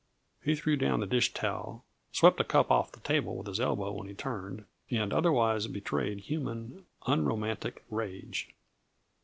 He threw down the dish towel, swept a cup off the table with his elbow when he turned, and otherwise betrayed human, unromantic rage.